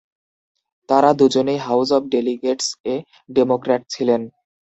তারা দুজনেই house of ডেলিগেটস-এ ডেমোক্র্যাট ছিলেন।